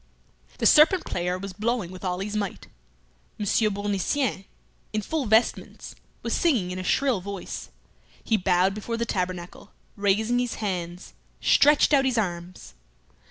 The serpent player was blowing with all his might. Monsieur Bournisien, in full vestments, was singing in a shrill voice. He bowed before the tabernacle, raising his hands, stretched out his arms.